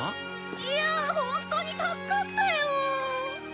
いやホントに助かったよ！